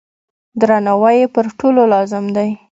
درناوی یې پر ټولو لازم دی.